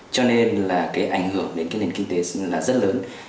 cho nên là cái ảnh hưởng đến cái nền kinh tế là rất lớn